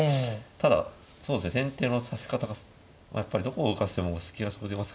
ただ先手の指し方がやっぱりどこを動かしても隙が生じますからね。